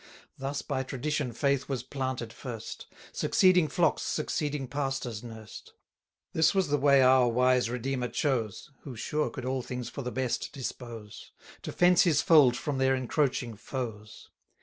Thus by Tradition faith was planted first; Succeeding flocks succeeding pastors nursed. 310 This was the way our wise Redeemer chose (Who sure could all things for the best dispose), To fence his fold from their encroaching foes.